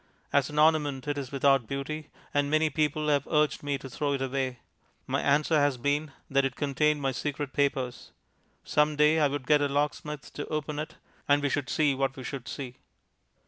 As an ornament it is without beauty, and many people have urged me to throw it away. My answer has been that it contained my secret papers. Some day I would get a locksmith to open it, and we should see what we should see.